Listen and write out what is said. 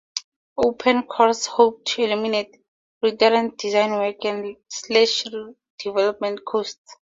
OpenCores hopes to eliminate redundant design work and slash development costs.